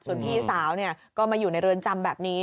ส่วนพี่สาวก็มาอยู่ในเรือนจำแบบนี้